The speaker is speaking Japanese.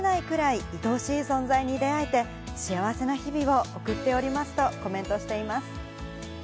信じられないくらい愛おしい存在に出会えて、幸せな日々を送っておりますとコメントしています。